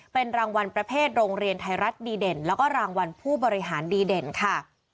เป็นรางวัลประเภทโรงเรียนไทยรัฐดีเด่นแล้วก็รางวัลผู้บริหารดีเด่นค่ะ